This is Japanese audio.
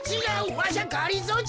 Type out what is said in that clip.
わしゃがりぞーじゃよ。